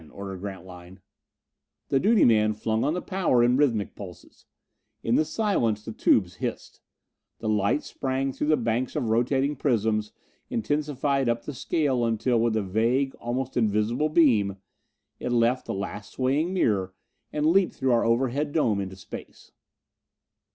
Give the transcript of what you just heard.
ordered Grantline. The duty man flung on the power in rhythmic pulses. In the silence the tubes hissed. The light sprang through the banks of rotating prisms, intensified up the scale until, with a vague, almost invisible beam, it left the last swaying mirror and leaped through our overhead dome into space.